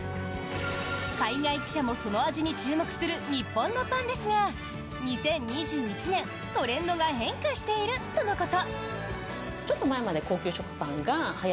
海外記者もその味に注目する日本のパンですが２０２１年、トレンドが変化しているとのこと！